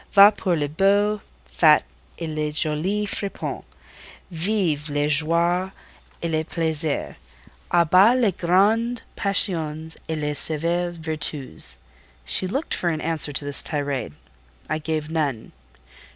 Va pour les beaux fats et les jolis fripons! Vive les joies et les plaisirs! A bas les grandes passions et les sévères vertus!" She looked for an answer to this tirade. I gave none.